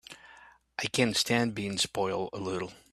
I can stand being spoiled a little.